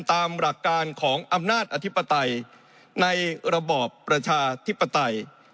ตามหลักการของอำนาจอธิปไตยในระบอบประชาธิปไตย